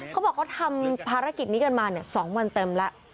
เขาบอกเขาทำภารกิจนี้กันมา๒วันเต็มแล้ว